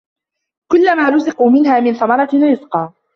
ۖ كُلَّمَا رُزِقُوا مِنْهَا مِنْ ثَمَرَةٍ رِزْقًا